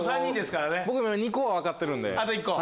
僕も今２個は分かってるんで。